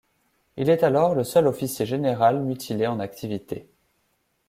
Il est alors le seul officier général mutilé en activité.